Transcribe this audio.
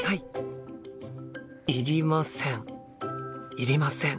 いりません。